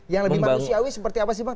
yang lebih manusiawi seperti apa sih bang